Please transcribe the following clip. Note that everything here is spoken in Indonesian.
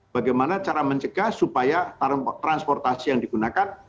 bagaimana cara mencegah supaya transportasi yang digunakan